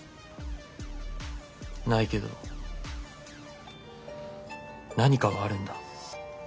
ないけど何かはあるんだ。